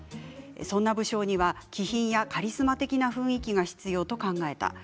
そんな武将には気品やカリスマ的な雰囲気が必要と考えた。